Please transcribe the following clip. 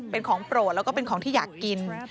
เป็นของโปรดแล้วก็เป็นของที่อยากกิน